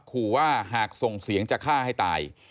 ขู่ว่าหากส่งเสียงจะฆ่าให้ตาย